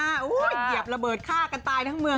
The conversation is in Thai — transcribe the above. โอ้โหเหยียบระเบิดฆ่ากันตายทั้งเมือง